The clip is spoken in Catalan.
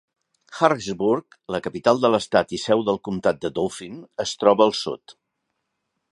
Harrisburg, la capital de l'estat i seu del comtat de Dauphin, es troba al sud.